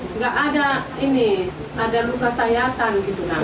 nggak ada ini ada luka sayatan gitu kan